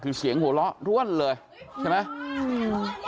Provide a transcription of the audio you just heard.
คือเสียงหัวเราะร่วนเลยใช่ไหม